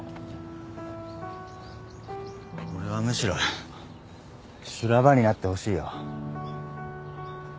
俺はむしろ修羅場になってほしいよ。